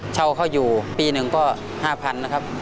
เช่าเขาอยู่ปีหนึ่งก็๕๐๐๐นะครับ